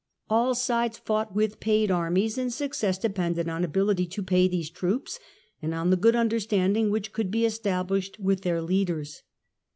All sides fought with paid armies, and success depended on ability to pay these troops, and on the good understanding which could be established with their leaders.